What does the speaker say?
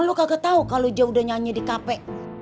lo kagak tau kalo ija udah nyanyi di kafe